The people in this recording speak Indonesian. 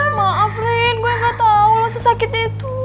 maaf rin gue gak tau loh sesakit itu